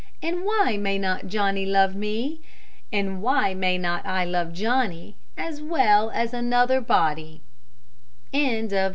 And why may not Johnny love me? And why may not I love Johnny As well as another body?